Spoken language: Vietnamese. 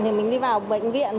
thì mình đi vào bệnh viện